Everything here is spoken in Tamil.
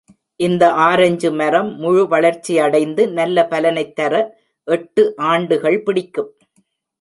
இந்த ஆரஞ்சு மரம் முழு வளர்ச்சியடைந்து நல்ல பலனைத் தர எட்டு ஆண்டுகள் பிடிக்கும்.